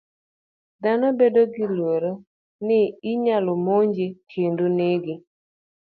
Dhano bedo gi luoro ni inyalo monje kendo nege.